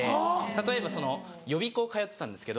例えば予備校通ってたんですけど。